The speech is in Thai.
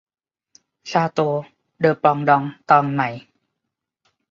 ชาโตว์เดอปรองดอง ตอนใหม่